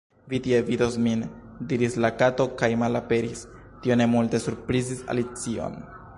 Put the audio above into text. "Vi tie vidos min," diris la Kato kaj—malaperis! Tio ne multe surprizis Alicion.